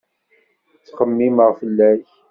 Ttxemmimeɣ fell-ak.